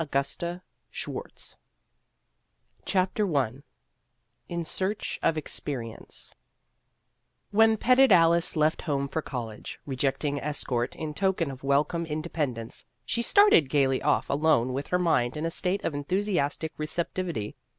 270 ix VASSAR STUDIES IN SEARCH OF EXPERIENCE WHEN petted Alice left home for college, rejecting escort in token of welcome inde pendence, she started gayly off alone with her mind in a state of enthusiastic recep tivity.